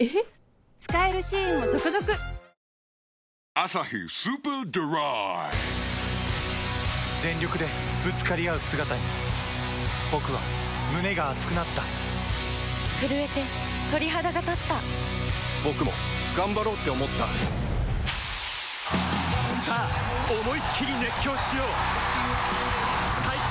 「アサヒスーパードライ」全力でぶつかり合う姿に僕は胸が熱くなった震えて鳥肌がたった僕も頑張ろうって思ったさあ思いっきり熱狂しよう最高の渇きにＤＲＹ